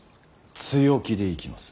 強気でいきます。